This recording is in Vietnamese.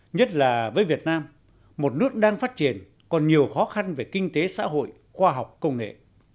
nhất là với việt nam một nước đang phát triển còn nhiều khó khăn về kinh tế xã hội khoa học công nghệ